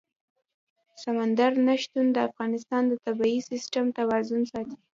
سمندر نه شتون د افغانستان د طبعي سیسټم توازن ساتي.